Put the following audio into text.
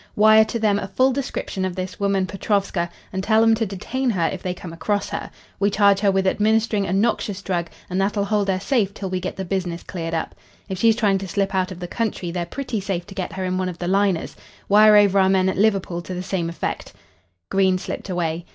Wire to them a full description of this woman Petrovska, and tell 'em to detain her if they come across her. We charge her with administering a noxious drug, and that'll hold her safe till we get the business cleared up. If she's trying to slip out of the country, they're pretty safe to get her in one of the liners. Wire over our men at Liverpool to the same effect." Green slipped away.